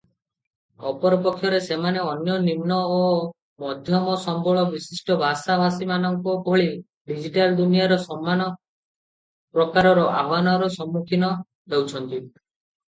ଅପରପକ୍ଷରେ ସେମାନେ ଅନ୍ୟ ନିମ୍ନ ଓ ମଧ୍ୟମ ସମ୍ବଳ ବିଶିଷ୍ଟ ଭାଷା ଭାଷୀମାନଙ୍କ ଭଳି ଡିଜିଟାଲ ଦୁନିଆରେ ସମାନ ପ୍ରକାରର ଆହ୍ୱାନର ସମ୍ମୁଖୀନ ହେଉଛନ୍ତି ।